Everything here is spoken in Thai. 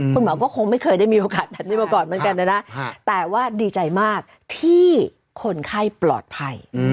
คุณหมอก็คงไม่เคยได้มีโอกาสแบบนี้มาก่อนเหมือนกันนะนะแต่ว่าดีใจมากที่คนไข้ปลอดภัย